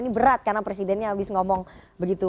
ini berat karena presidennya habis ngomong begitu